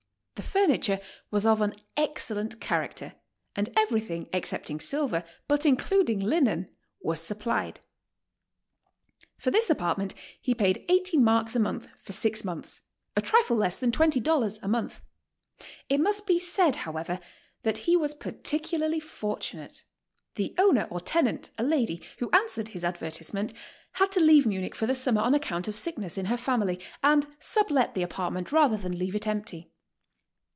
The furniture was of an excellent character, and everything excepting silver, but iii cluding linen, was supplied. For this apartment he paid 80 marks a month for six months, a trifle less than $20 a month. It must be said, however, that he was particularly fortunate. The owner or tenant, a lady, who answered his advertisement, had to leave Munich for the summer on account of sickness in her family, and sublet the apartment rather than leave it empty.